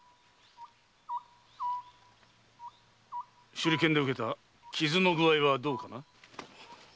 手裏剣で受けた傷の具合はどうだ？